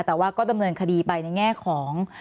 แต่ว่าก็ดำเนินคดีไปในแง่ของ